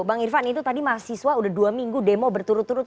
bang irvan itu tadi mahasiswa udah dua minggu demo berturut turut